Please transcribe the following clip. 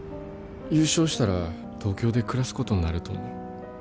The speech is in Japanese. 優勝したら東京で暮らすことになると思う。